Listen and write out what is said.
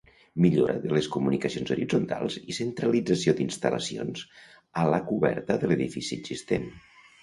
Millora de les comunicacions horitzontals i centralització d'instal·lacions a la coberta de l'edifici existent.